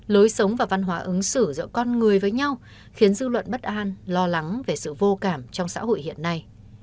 lối sống và văn hóa ứng xử giữa con người với nhau khiến dư luận bất an lo lắng về sự vô cảm trong xã hội hiện nay